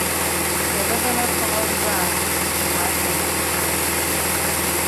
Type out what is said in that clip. Ye bəbələ fògo nzà wà àteməŋ.